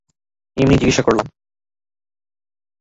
এমনিই জিজ্ঞেস করলাম।